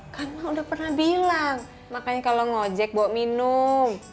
karena udah pernah bilang makanya kalau ngojek bawa minum